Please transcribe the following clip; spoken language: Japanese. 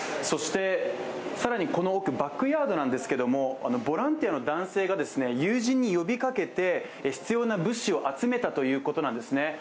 そして更にこの奥バックヤードなんですけれどもボランティアの男性が友人に呼びかけて必要な物資を集めたということなんですね。